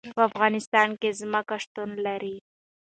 په افغانستان کې ځمکه شتون لري.